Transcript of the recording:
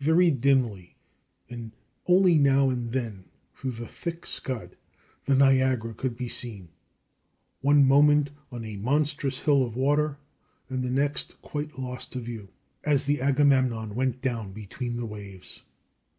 Very dimly, and only now and then through the thick scud, the Niagara could be seen one moment on a monstrous hill of water, and the next quite lost to view, as the Agamemnon went down between the waves.